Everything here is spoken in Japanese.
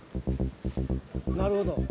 なるほど。